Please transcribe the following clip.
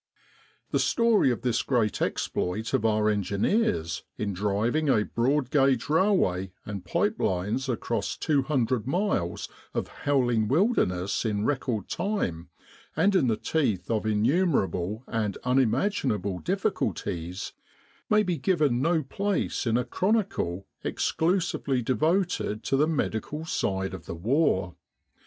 The story of this great exploit of our engineers in driving a broad guage railway and pipe lines across 200 miles of howling wilderness in record time and in the teeth of innumerable and unimaginable difficulties, may be given no place in a chronicle ex clusively devoted to the medical side of the war.